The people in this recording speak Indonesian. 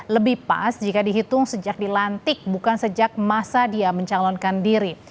lebih pas jika dihitung sejak dilantik bukan sejak masa dia mencalonkan diri